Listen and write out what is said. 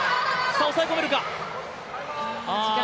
抑え込めるか。